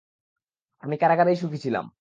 আমি কারাগারেই সুখী ছিলাম।